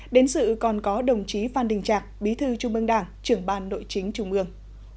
đến sự còn có đồng chí phan đình trạc bí thư trung ương đảng trưởng ban nội chính trung ương